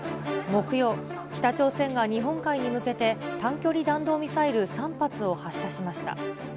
木曜、北朝鮮が日本海に向けて短距離弾道ミサイル３発を発射しました。